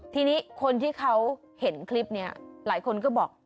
ทีนี้คนที่เขาเห็นคลิปนี้หลายคนก็บอก